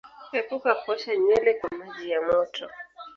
Epuka kuosha nywele kwa maji ya moto